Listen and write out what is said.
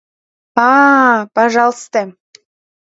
— А-а... пожалысте...